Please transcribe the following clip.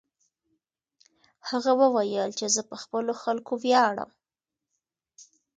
هغه وویل چې زه په خپلو خلکو ویاړم.